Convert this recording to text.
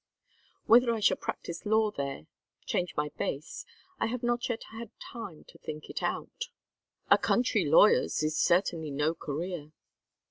Whether I shall practise law there change my base I have not yet had time to think it out." "A country lawyer's is certainly no career."